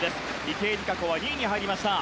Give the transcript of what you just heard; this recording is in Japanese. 池江璃花子は２位に入りました。